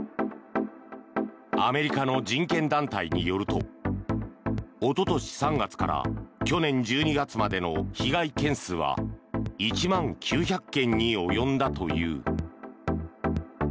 アメリカの人権団体によるとおととし３月から去年１２月までの被害件数は１万９００件に及んだという。